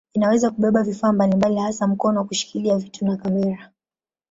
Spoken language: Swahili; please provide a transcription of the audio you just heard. Inaweza kubeba vifaa mbalimbali hasa mkono wa kushikilia vitu na kamera.